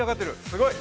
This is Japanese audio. すごい！